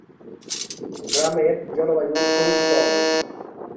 গ্রামের জলবায়ু খুবই শীতল।